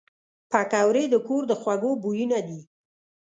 پکورې د کور د خوږو بویونه دي